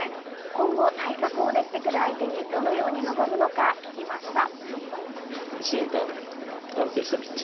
今後、対策を練ってくる相手にどのように臨むのか聞きました。